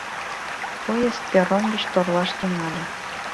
Поезд перрон гыч торлаш тӱҥале.